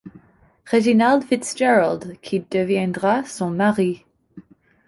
Reginald Fitzgerald, qui deviendra son mari.